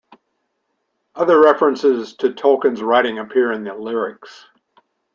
Other references to Tolkien's writing appear in the lyrics.